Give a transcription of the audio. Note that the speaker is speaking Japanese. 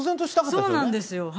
そうなんですよ。